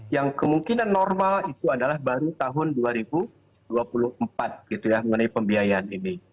yang kemungkinan normal itu adalah baru tahun dua ribu dua puluh empat gitu ya mengenai pembiayaan ini